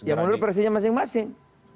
ya menurut versinya masing masing